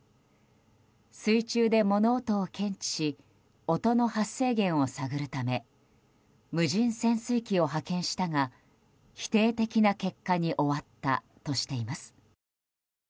水中で物音を検知し音の発生源を探るため無人潜水機を派遣したが否定的な結果に終わったとしています。